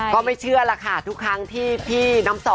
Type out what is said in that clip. ก็ไม่เชื่อล่ะค่ะทุกครั้งที่พี่น้ำสอง